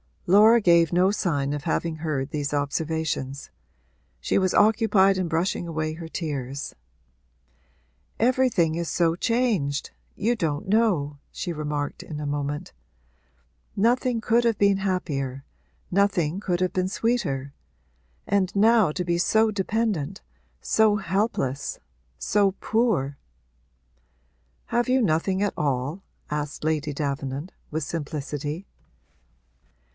Laura gave no sign of having heard these observations; she was occupied in brushing away her tears. 'Everything is so changed you don't know,' she remarked in a moment. 'Nothing could have been happier nothing could have been sweeter. And now to be so dependent so helpless so poor!' 'Have you nothing at all?' asked Lady Davenant, with simplicity.